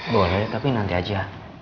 boleh tapi nanti aja